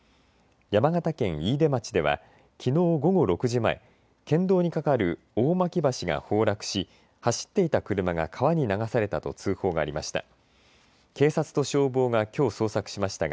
山形県飯豊町ではきのう午後６時前県道に架かる大巻橋が崩落し走っていた車が川に流されたと通報がありました。